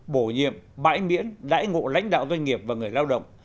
bổ nhiệm bãi miễn đải ngộ lãnh đạo doanh nghiệp và người lao động